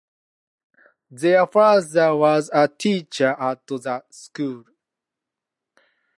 Their father was a teacher at the school.